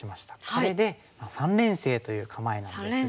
これで三連星という構えなんですが。